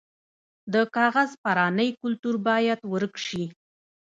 د کاغذ پرانۍ کلتور باید ورک شي.